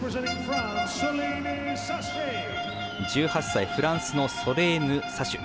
１８歳、フランスのソレーヌ・サシュ。